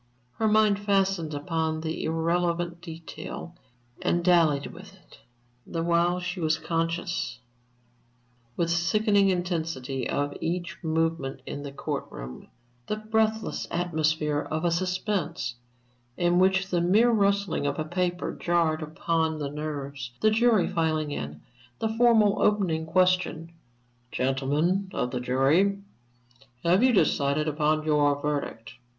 Her mind fastened upon the irrelevant detail and dallied with it; the while she was conscious, with sickening intensity, of each movement in the court room the breathless atmosphere of a suspense, in which the mere rustling of a paper jarred upon the nerves; the jury filing in, the formal opening question, "Gentlemen of the jury, have you decided upon your verdict?"